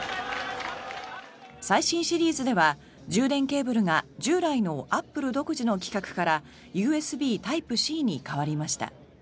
最新シリーズでは充電ケーブルが従来のアップル独自の規格からＵＳＢタイプＣに変わりました。